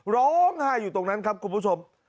ร้องไห้อยู่ตรงนั้นครับคุณผู้ชม